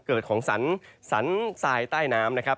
ของสรรสายใต้น้ำนะครับ